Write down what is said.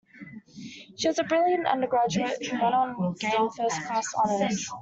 She was a brilliant undergraduate who went on to gain first class honours